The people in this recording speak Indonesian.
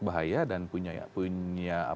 bahaya dan punya